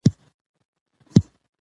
ماشوم کولای سي په پښتو خپل نظر ووايي.